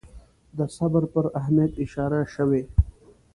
د صبر پر اهمیت اشاره شوې.